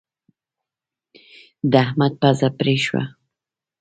د احمد پزه پرې شوه.